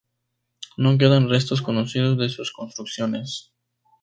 No quedan restos conocidos de sus construcciones.